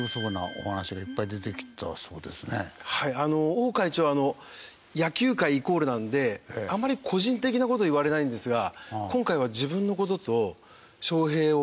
王会長は野球界イコールなんであんまり個人的な事言われないんですが。